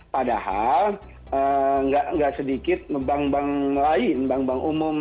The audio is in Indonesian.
padahal tidak sedikit bank bank lain bank bank umum